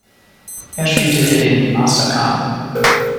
Er spielte hier den "Master Kan".